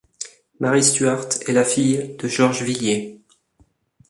Mary Stuart est la fille de George Villiers.